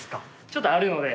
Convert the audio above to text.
ちょっとあるので。